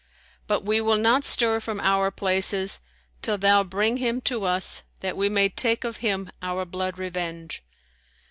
But we will not stir from our places till thou bring him to us, that we may take of him our blood revenge."